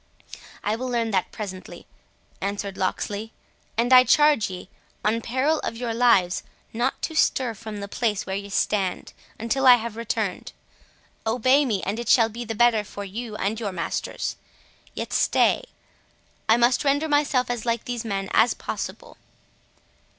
"I will learn that presently," answered Locksley; "and I charge ye, on peril of your lives, not to stir from the place where ye stand, until I have returned. Obey me, and it shall be the better for you and your masters.—Yet stay, I must render myself as like these men as possible."